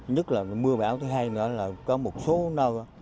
nhất là mưa bão thứ hai nữa là có một số nơi